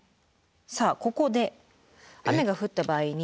さあここで雨が降った場合に。